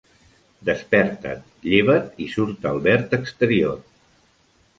Desperta't, lleva't i surt al verd exterior.